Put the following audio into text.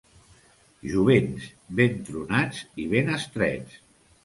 Jovents, ben tronats i ben estrets.